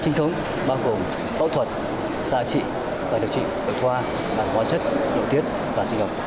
chính thống bao gồm phẫu thuật xạ trị và điều trị vượt qua bằng hóa chất nội tiết và sinh học